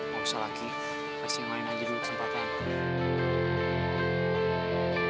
mau bisa lagi kasih yang lain aja dulu kesempatan